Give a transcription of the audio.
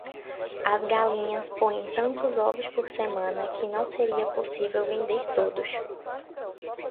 As galinhas põem tantos ovos por semana que não seria possível vender todos.